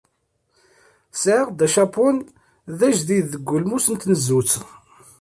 Sɣiɣ-d acapun d ajdid deg ulmus n tnezzut.